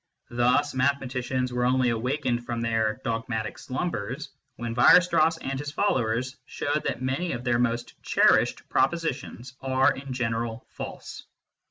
Thus mathematicians were only awakened from their " dog matic slumbers " when Weierstrass and his followers showed that many of their most cherished propositions are in general false.